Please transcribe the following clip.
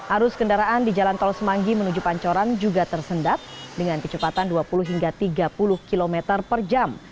arus kendaraan di jalan tol semanggi menuju pancoran juga tersendat dengan kecepatan dua puluh hingga tiga puluh km per jam